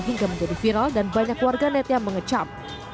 hingga menjadi viral dan banyak warganetnya mengecam